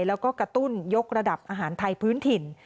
แล้วก็กระตุ้นยกระดับอาหารไทยพื้นถิ่น